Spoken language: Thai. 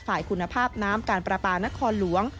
ฝ่ายคุณภาพน้ำการประปานครหลวง